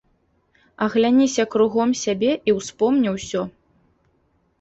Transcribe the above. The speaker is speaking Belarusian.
Агляніся кругом сябе і ўспомні ўсё.